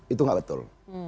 itu gak betul